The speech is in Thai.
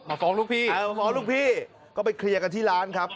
ฟ้องลูกพี่เออฟ้องลูกพี่ก็ไปเคลียร์กันที่ร้านครับ